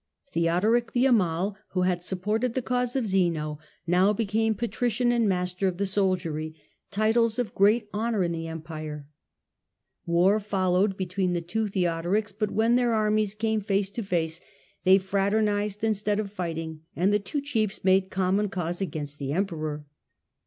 Theodoric the Amal, who had supported the cause of Zeno, now became Patrician and Master of the Soldiery, titles of great honour in the Empire. War followed between the two Theodorics, but when their armies came face to face they fraternised instead of fighting, and the two chiefs made common cause against the Emperor.